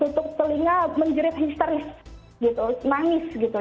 tutup telinga menjerit histeris gitu nangis gitu